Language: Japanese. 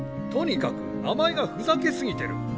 とにかく名前がふざけすぎてる。